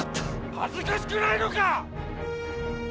恥ずかしくないのか！